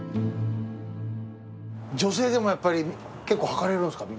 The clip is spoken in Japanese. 女性でもやっぱり結構履かれるんですか？